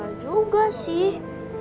enggak juga sih